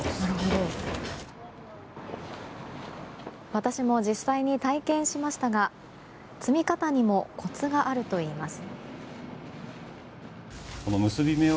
私も実際に体験しましたが積み方にもコツがあるといいます。